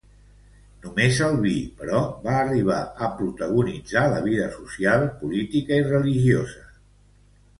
Només el vi, però, va arribar a protagonitzar la vida social, política i religiosa.